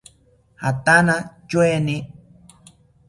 Jatana tyoeni